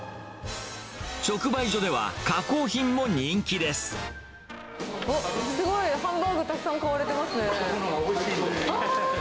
直売所では、加工品も人気でおっ、すごい。